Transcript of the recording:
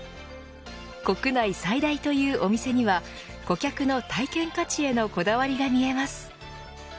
国内最大というお店には顧客の体験価値へのこだわりが見えます。